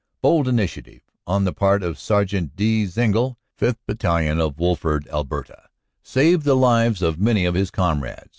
Bold initiative on the part of Sergt. D. Zengal, 5th. Bat talion, of Woolford, Alta., saved the lives of many of his com rades.